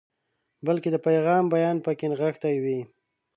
بلکې د پیغام بیان پکې نغښتی وي.